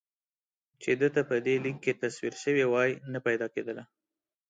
چې ده ته په دې لیک کې تصویر شوې وای نه پیدا کېدله.